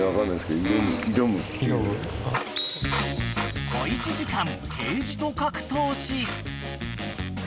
［小一時間ケージと格闘し］